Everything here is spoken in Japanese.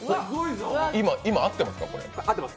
今、合ってます？